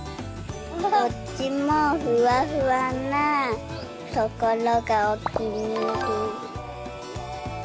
どっちもふわふわなところがお気に入り。